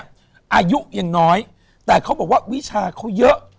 อายุยังน้อยแต่เขาบอกว่าวิชาเขาเยอะ